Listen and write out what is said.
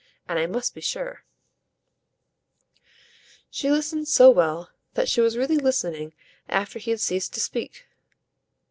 And I must be sure." She listened so well that she was really listening after he had ceased to speak.